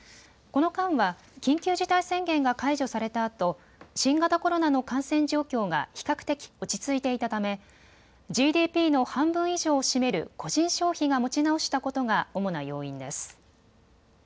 この間は緊急事態宣言が解除されたあと新型コロナの感染状況が比較的、落ち着いていたためＧＤＰの半分以上を占める個人消費が持ち直したことが主な要因です。